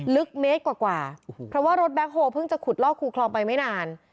ลึกเมตรกว่าเพราะว่ารถแบ็คโฮลเพิ่งจะขุดลอกคูคลองไปไม่นาน